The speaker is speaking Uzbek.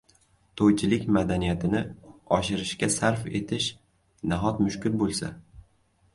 to‘ychilik madaniyatini oshirishga sarf etish nahot mushkul bo‘lsa?